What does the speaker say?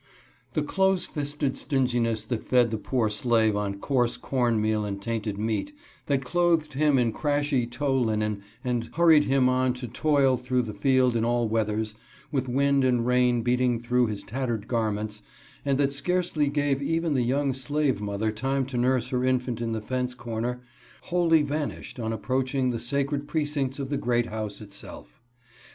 THE close fisted stinginess that fed the poor slave on coarse corn meal and tainted meat, that clothed him in crashy tow linen and hurried him on to toil through the field in all weathers, with wind and rain beating through his tattered garments, and that scarcely gave even the young slave mother time to nurse her infant in the fence corner, wholly vanished on approaching the sacred pre cincts of the " Great House " itself.